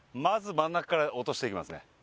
まず真ん中から落としていきますね